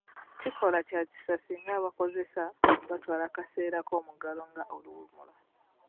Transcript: Kikola Kya kisa singa abakozesa batwala akaseera k'omuggalo nga oluwummula.